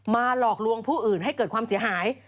หลอกลวงผู้อื่นให้เกิดความเสียหาย